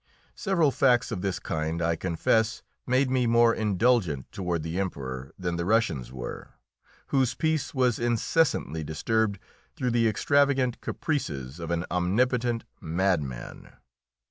Several facts of this kind, I confess, made me more indulgent toward the Emperor than the Russians were, whose peace was incessantly disturbed through the extravagant caprices of an omnipotent madman.